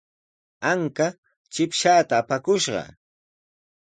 Anka chipshaata apakushqa.